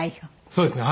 そうですね。